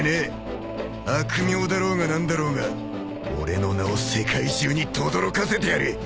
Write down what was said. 悪名だろうが何だろうが俺の名を世界中にとどろかせてやる！